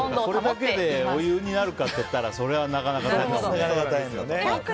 これだけでお湯になるかといったらそれはなかなかならないと。